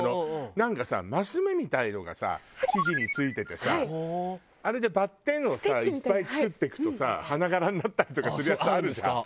なんかさマス目みたいなのがさ生地についててさあれでバッテンをさいっぱい作っていくとさ花柄になったりとかするやつあるじゃん。